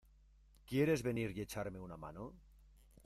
¿ Quieres venir y echarme una mano?